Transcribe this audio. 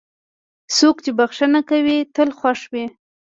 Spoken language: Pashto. څوک چې بښنه کوي، تل خوښ وي.